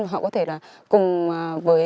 và họ có thể là cùng với